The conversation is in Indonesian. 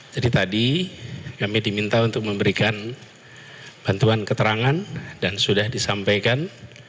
jadi tadi kami diminta untuk memberikan bantuan keterangan dan sudah disampaikan